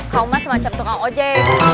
kau mah semacam tukang ojek